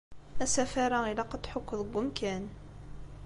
Asafar-a ilaq ad t-tḥukkeḍ deg umkan.